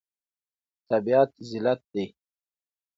تابعيت ذلت دی.